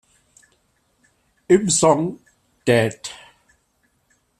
Im Song "Dead!